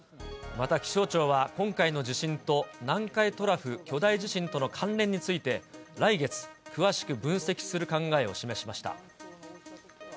また気象庁は、今回の地震と南海トラフ巨大地震との関連について、来月、詳しく分析する考えを示しました。